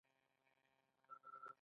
د حرم سرای سياست کې پښتنو نقصان کړی دی.